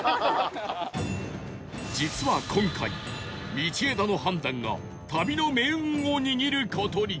実は今回道枝の判断が旅の命運を握る事に